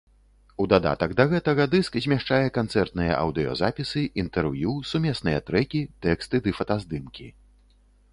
У дадатак да гэтага дыск змяшчае канцэртныя аўдыёзапісы, інтэрв'ю, сумесныя трэкі, тэксты ды фотаздымкі.